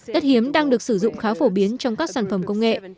đất hiếm đang được sử dụng khá phổ biến trong các sản phẩm công nghệ